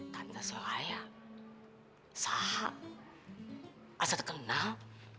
tante sohaya sahak aset kenal